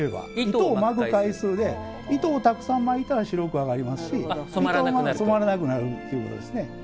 糸を巻く回数で糸をたくさん巻いたら白く上がりますし染まらなくなるということですね。